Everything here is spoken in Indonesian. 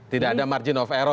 tidak ada margin of error